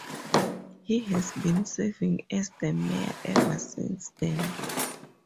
He has been serving as the mayor ever since then.